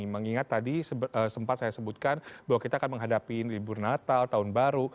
mengingat tadi sempat saya sebutkan bahwa kita akan menghadapi libur natal tahun baru